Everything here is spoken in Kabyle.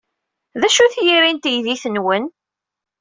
D acu-t yiri n teydit-nwen?